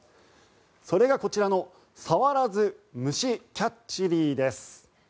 それが、こちらの「触らずむしキャッチリー」です。